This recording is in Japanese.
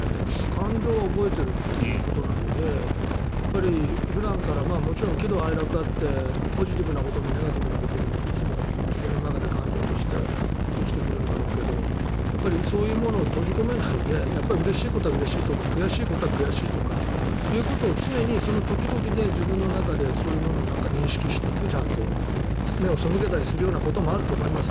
感情は覚えているということなので普段からもちろん喜怒哀楽があってポジティブなこともネガティブなこともいつも自分の中で感情としてできてくるんだろうけどそういうものを閉じ込めないでうれしいことはうれしいとか悔しいことは悔しいとかということを常にその時々で自分の中でそういうものをちゃんと認識していく目を背けたりするようなこともあると思います。